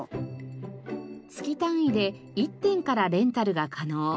月単位で１点からレンタルが可能。